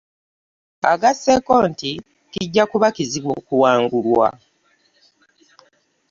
Agasseeko nti kijja kuba kizibu okuwangulwa